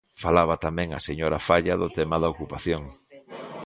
Falaba tamén a señora Faia do tema da ocupación.